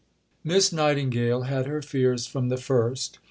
Miss Nightingale had her fears from the first.